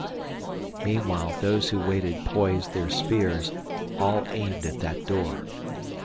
Meanwhile those who waited poised their spears, all aimed at that door.